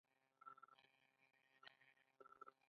د سلما بند د دوستۍ نښه ده.